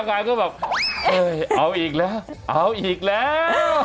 งานก็แบบเอ้ยเอาอีกแล้วเอาอีกแล้ว